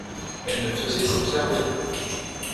Elle ne faisait qu’observer.